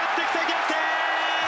逆転！